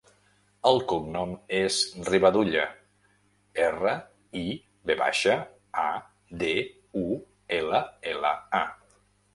El cognom és Rivadulla: erra, i, ve baixa, a, de, u, ela, ela, a.